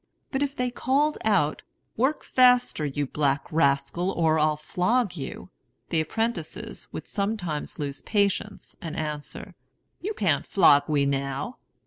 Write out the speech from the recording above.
But if they called out, "Work faster, you black rascal, or I'll flog you!" the apprentices would sometimes lose patience, and answer, "You can't flog we now."